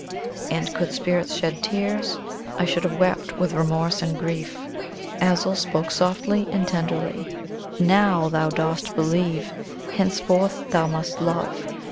And could spirits shed tears, I should have wept with remorse and grief. Azul spoke, softly and tenderly: "Now thou dost believe henceforth thou must love!